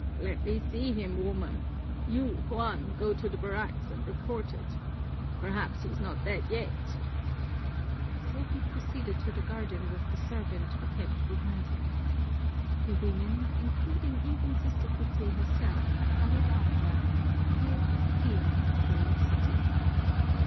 "Let me see him, woman. You, Juan, go to the barracks and report it. Perhaps he's not dead yet." So he proceeded to the garden with the servant, who kept behind him. The women, including even Sister Puté herself, followed after, filled with fear and curiosity.